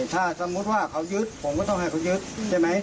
ถ้าสมมุติว่าเขายึดผมก็ต้องให้เขายึดใช่ไหม